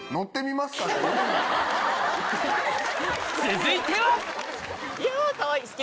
続いては！